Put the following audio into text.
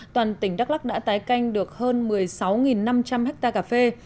toàn tỉnh đắk lắc đã tái canh được hơn một mươi sáu năm trăm linh hectare cà phê